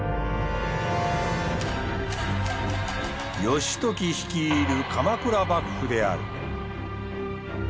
義時率いる鎌倉幕府である。